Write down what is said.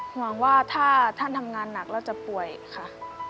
หวังว่าถ้าท่านทำงานหนักแล้วจะป่วยค่ะ